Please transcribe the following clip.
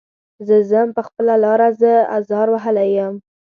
زه ځم په خپله لاره زه ازار وهلی یم.